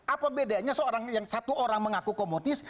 apa bedanya seorang yang satu orang mengaku komotis